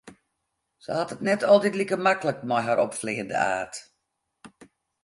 Se hat it net altyd like maklik mei har opfleanende aard.